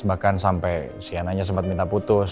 bahkan sampai sienna nya sempet minta putus